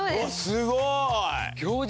すごい！